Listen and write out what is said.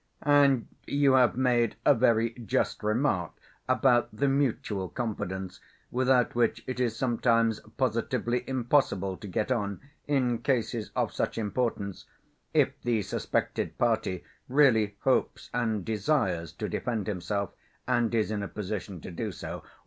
"And you have made a very just remark about the mutual confidence, without which it is sometimes positively impossible to get on in cases of such importance, if the suspected party really hopes and desires to defend himself and is in a position to do so.